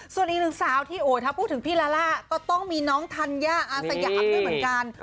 ส่วนอีกหนึ่งสาวที่โอ้ถ้าพูดถึงพี่ลาล่าก็ต้องมีน้องธัญญาอาสยามด้วยเหมือนกัน